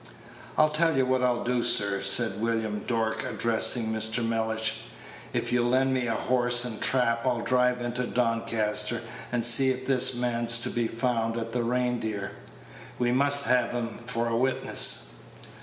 "I'll tell you what I'll do, sir," said William Dork, addressing Mr. Mellish; "if you'll lend me a horse and trap, I'll drive into Doncaster, and see if this man's to be found at the Reindeer. We must have him for a witness."